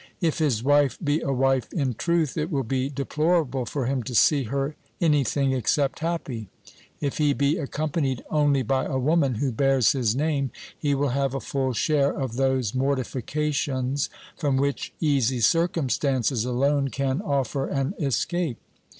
If his wife be a wife in truth it will be deplorable for him to see her anything except happy ; if he be accompanied only by a woman who bears his name, he will have a full share of those mortifications from which easy circumstances alone can 304 OBERMANN offer an escape.